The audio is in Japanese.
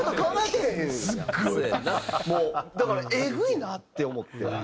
だからえぐいなって思って。